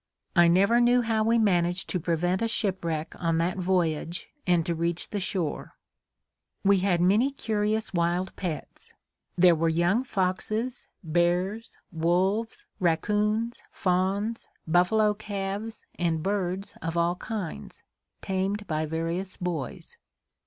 I never knew how we managed to prevent a shipwreck on that voyage and to reach the shore. We had many curious wild pets. There were young foxes, bears, wolves, raccoons, fawns, buffalo calves and birds of all kinds, tamed by various boys.